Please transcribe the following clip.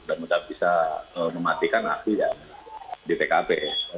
sudah bisa mematikan api di tkp